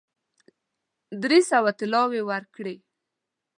درې سوه طلاوي ورکړې.